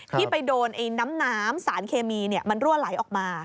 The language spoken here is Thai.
ที่ไปโดนน้ำสารเคมีมันรั่วไหลออกมา